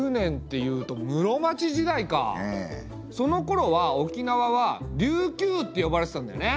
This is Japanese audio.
そのころは沖縄は琉球って呼ばれてたんだよね？